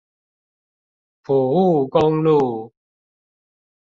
埔霧公路